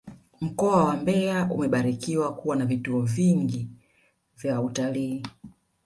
mkoa wa mbeya umebarikiwa kuwa na vivutio vingi vya utalii